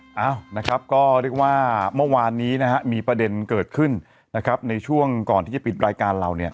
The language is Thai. อ้าวนะครับก็เรียกว่าเมื่อวานนี้นะฮะมีประเด็นเกิดขึ้นนะครับในช่วงก่อนที่จะปิดรายการเราเนี่ย